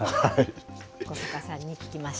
小坂さんに聞きました。